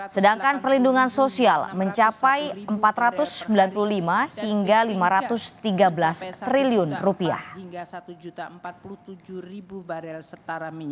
sedangkan perlindungan sosial mencapai rp empat ratus sembilan puluh lima hingga rp lima ratus tiga belas triliun